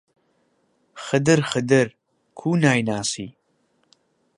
خدر، خدر، کوو نایناسی؟!